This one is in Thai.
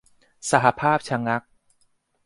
สหภาพชะงัก